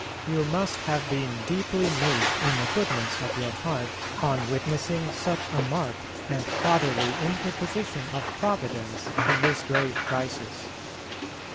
You must have been deeply moved in the goodness of your heart on witnessing such a marked and fatherly interposition of Providence in this grave crisis.